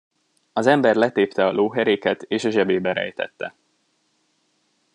Az ember letépte a lóheréket, és a zsebébe rejtette.